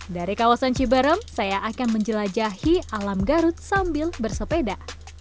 dari kawasan ciberem saya akan menjelajahi alam garut sambil bersepeda